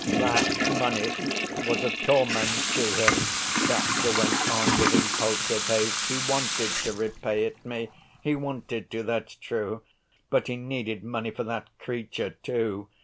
"That money was a torment to him," Katya went on with impulsive haste. "He wanted to repay it me. He wanted to, that's true; but he needed money for that creature, too.